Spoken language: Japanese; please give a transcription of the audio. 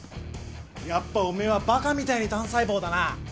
やっぱおめえはバカみたいに単細胞だな。